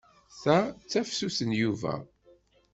Ta d tasafut n Yuba.